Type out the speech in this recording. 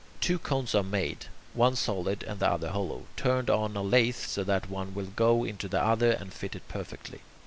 Two cones are made, one solid and the other hollow, turned on a lathe so that one will go into the other and fit it perfectly.